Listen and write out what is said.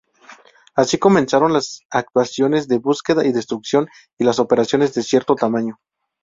Así comenzaron las actuaciones de "búsqueda y destrucción" y las operaciones de cierto tamaño.